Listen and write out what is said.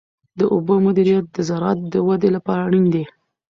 د اوبو مدیریت د زراعت د ودې لپاره اړین دی.